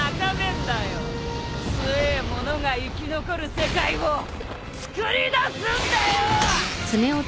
強え者が生き残る世界をつくり出すんだよ！